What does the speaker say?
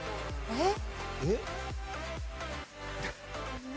えっ？